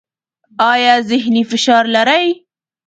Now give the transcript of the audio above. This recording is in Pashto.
ایا ذهني فشار لرئ؟